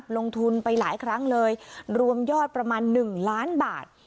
ลงทุนไปหลายครั้งเลยรวมยอดประมาณ๑ล้านบาท